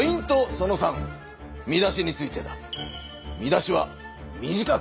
その３見出しについてだ。